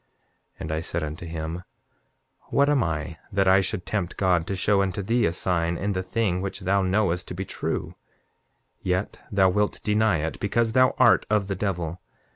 7:14 And I said unto him: What am I that I should tempt God to show unto thee a sign in the thing which thou knowest to be true? Yet thou wilt deny it, because thou art of the devil.